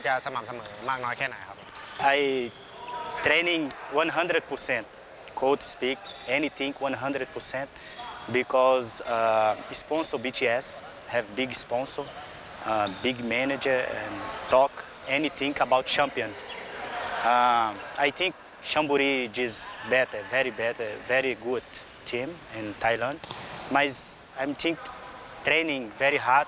เพราะว่าเล่นจะสม่ำเสมอมากน้อยแค่ไหนครับ